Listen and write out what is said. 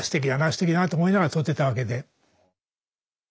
すてきだなと思いながら撮ってたわけで。